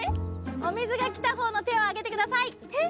お水がきたほうの手をあげてください。